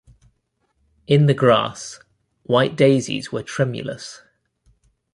In the grass, white daisies were tremulous.